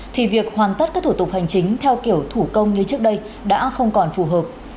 thì việc hoàn tất các thủ tục hành chính theo kiểu thủ công như trước đây đã không còn phù hợp